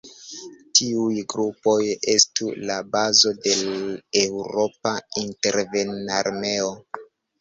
Tiuj grupoj estu la bazo de eŭropa intervenarmeo.